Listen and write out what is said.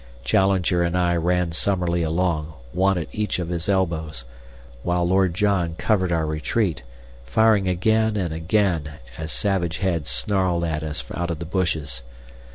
Challenger and I ran Summerlee along, one at each of his elbows, while Lord John covered our retreat, firing again and again as savage heads snarled at us out of the bushes.